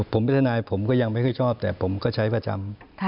ผมเป็นทนายผมก็ยังไม่ค่อยชอบแต่ผมก็ใช้ประจำ